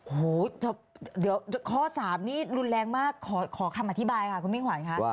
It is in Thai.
โอ้โหเดี๋ยวข้อ๓นี่รุนแรงมากขอคำอธิบายค่ะคุณมิ่งขวัญค่ะ